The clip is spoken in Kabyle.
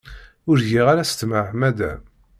Ur giɣ aya s tmeɛmada.